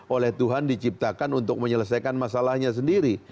oleh tuhan diciptakan untuk menyelesaikan masalahnya sendiri